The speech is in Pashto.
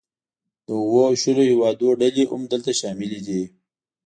د اوو او شلو هیوادونو ډلې هم دلته شاملې دي